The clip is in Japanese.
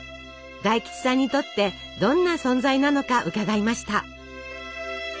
大吉さんにとってどんな存在なのか伺いました。